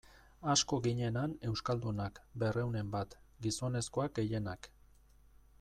Asko ginen han euskaldunak, berrehunen bat, gizonezkoak gehienak.